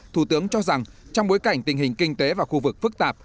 thủ tướng cho rằng trong bối cảnh tình hình kinh tế và khu vực phức tạp